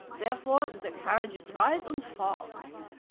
Therefore the carriages rise and fall."